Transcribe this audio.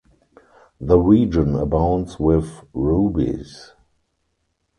The region abounds with rubies.